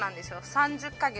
３０ヵ月。